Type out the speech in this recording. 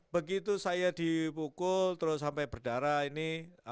begitu saya dipukul terus sampai berdarah ini